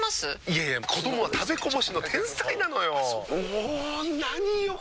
いやいや子どもは食べこぼしの天才なのよ。も何よ